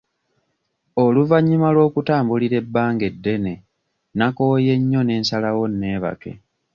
Oluvannyuma lw'okutambulira ebbanga eddene nakooye nnyo ne nsalawo neebake.